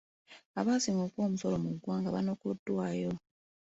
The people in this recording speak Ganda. Abasinga okuwa omusolo mu ggwanga banokoddwayo.